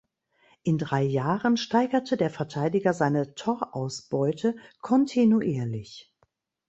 In drei Jahren steigerte der Verteidiger seine Torausbeute kontinuierlich.